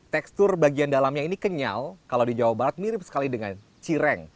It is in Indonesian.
tekstur bagian dalamnya ini kenyal kalau di jawa barat mirip sekali dengan cireng